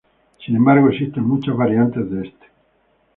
Sin embargo, existen muchas variantes de este.